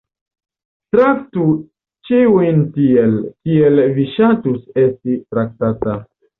"Traktu ĉiujn tiel, kiel vi ŝatus esti traktata."